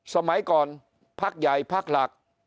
สมัยก่อนพักใหญ่พักหลัก